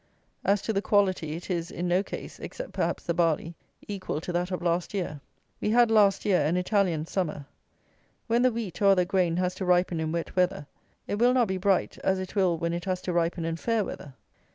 As to the quality, it is, in no case (except perhaps the barley), equal to that of last year. We had, last year, an Italian summer. When the wheat, or other grain has to ripen in wet weather, it will not be bright, as it will when it has to ripen in fair weather.